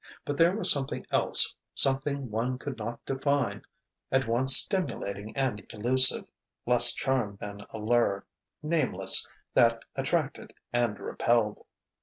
But there was something else, something one could not define: at once stimulating and elusive; less charm than allure; nameless; that attracted and repelled....